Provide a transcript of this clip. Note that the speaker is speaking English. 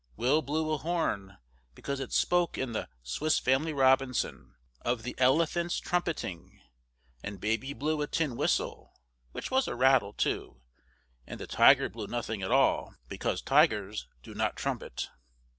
Will blew a horn, because it spoke in the "Swiss Family Robinson" of the elephants' trumpeting; and baby blew a tin whistle, which was a rattle, too; and the tiger blew nothing at all, because tigers do not trumpet.